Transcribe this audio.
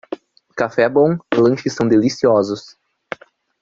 Café é bom, lanches são deliciosos.